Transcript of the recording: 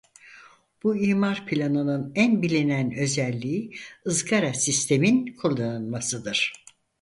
Bu imar planının en bilinen özelliği ızgara sistemin kullanılmasıdır.